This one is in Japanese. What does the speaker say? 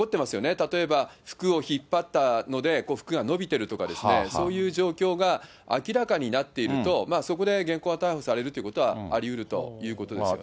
例えば服を引っ張ったので、服がのびてるとかですね、そういう状況が明らかになっていると、そこで現行犯逮捕されるってことはありうるということですよね。